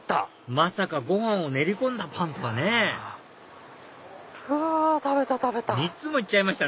まさかご飯を練り込んだパンとはねうわ食べた食べた。